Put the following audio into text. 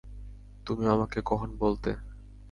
তুমি আমাকে কখন বলতে?